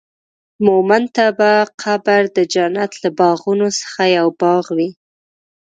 مؤمن ته به قبر د جنت له باغونو څخه یو باغ وي.